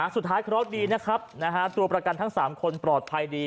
สุดท้ายเคราะห์ดดีนะครับตัวประกันทั้งสามคนปลอดภัยดี